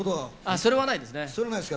それはないですか。